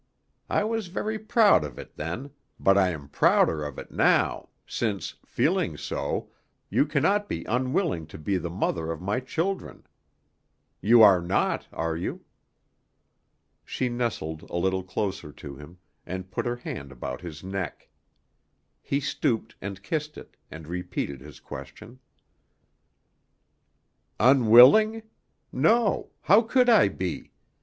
I was very proud of it then, but I am prouder of it now, since, feeling so, you cannot be unwilling to be the mother of my children. You are not, are you?" She nestled a little closer to him, and put her hand about his neck. He stooped and kissed it, and repeated his question. "Unwilling? No; how could I be?